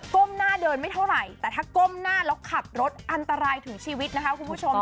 ้มหน้าเดินไม่เท่าไหร่แต่ถ้าก้มหน้าแล้วขับรถอันตรายถึงชีวิตนะคะคุณผู้ชม